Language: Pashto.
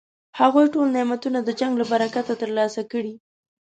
هغوی ټول نعمتونه د جنګ له برکته ترلاسه کړي.